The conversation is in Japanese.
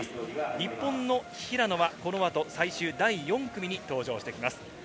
日本の平野は最終第４組に登場してきます。